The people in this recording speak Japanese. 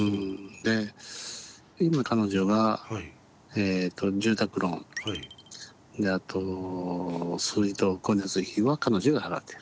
で今彼女がえと住宅ローンであと水道光熱費は彼女が払ってる。